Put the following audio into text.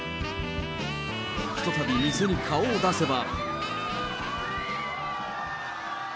ひとたび店に顔を出せば。